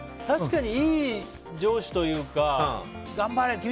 確かにいい上司というか頑張れ！